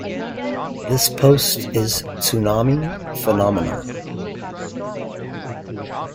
This is post tsunami phenomena.